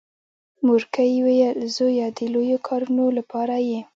مورکۍ ویل زويه د لويو کارونو لپاره یې.